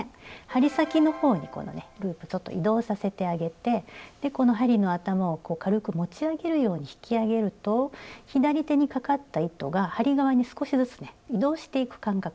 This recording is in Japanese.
針先の方にこのねループちょっと移動させてあげてこの針の頭を軽く持ち上げるように引き上げると左手にかかった糸が針側に少しずつね移動していく感覚。